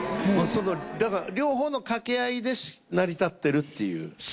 だから両方の掛け合いで成り立ってるっていう。